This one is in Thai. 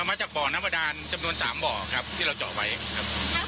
มาจากบ่อน้ำประดานจำนวน๓บ่อครับที่เราเจาะไว้ครับ